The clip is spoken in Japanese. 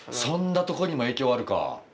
そんなとこにも影響あるか。